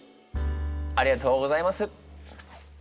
ありがとうございます。